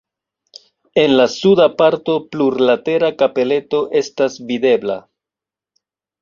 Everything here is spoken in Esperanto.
En la suda parto plurlatera kapeleto estas videbla.